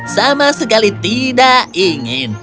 sama sekali tidak ingin